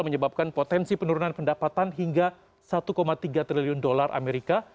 menyebabkan potensi penurunan pendapatan hingga satu tiga triliun dolar amerika